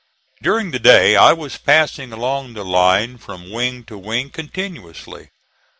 During the day I was passing along the line from wing to wing continuously.